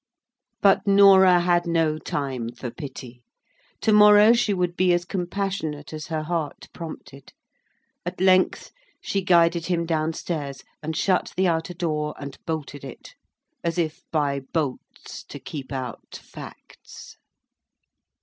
But Norah had no time for pity. To morrow she would be as compassionate as her heart prompted. At length she guided him downstairs and shut the outer door and bolted it—as if by bolts to keep out facts.